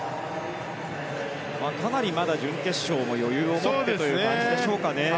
準決勝も余裕を持ってという感じでしょうか。